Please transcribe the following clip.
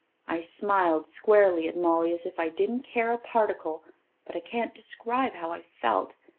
I smiled squarely at Mollie as if I didn't care a particle, but I can't describe how I felt.